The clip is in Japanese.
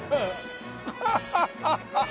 ハハハハ！